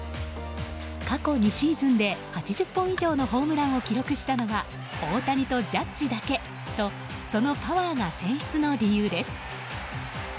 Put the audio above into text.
過去２シーズンで８０本以上のホームランを記録したのは大谷とジャッジだけとそのパワーが選出の理由です。